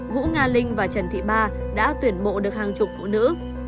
vũ nga linh và trần thị ba đã tuyển mộ được hàng chục phụ nữ